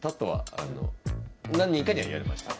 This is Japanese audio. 何人かには言われました。